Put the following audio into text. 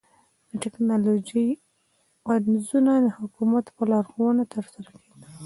د ټکنالوژۍ پنځونه د حکومت په لارښوونه ترسره کېدل